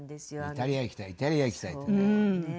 「イタリア行きたいイタリア行きたい」ってね。